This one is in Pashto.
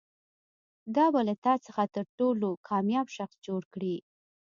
دا به له تا څخه تر ټولو کامیاب شخص جوړ کړي.